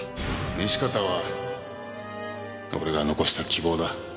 西片は俺が残した希望だ。